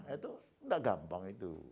itu tidak gampang